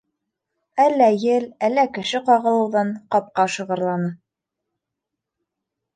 Әллә ел, әллә кеше ҡағылыуҙан, ҡапҡа шығырланы.